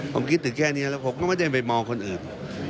ผมคิดถึงแค่นี้แล้วผมก็ไม่ได้ไปมองคนอื่น